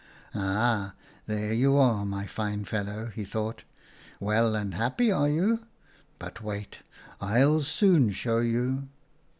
"'Ah! there you are, my fine fellow,' he thought. 'Well and happy are you? But wait, I'll soon show you